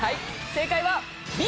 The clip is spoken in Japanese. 正解はＢ。